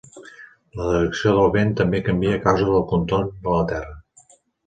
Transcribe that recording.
La direcció del vent també canvia a causa del contorn de la terra.